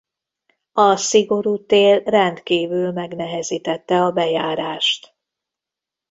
A szigorú tél rendkívül megnehezítette a bejárást.